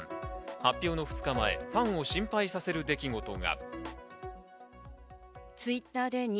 発表の２日前、ファンを心配させる出来事が。